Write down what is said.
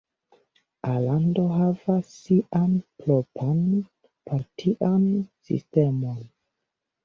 Alando havas sian propran partian sistemon.